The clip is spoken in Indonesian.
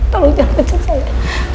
tolong jangan pencet saya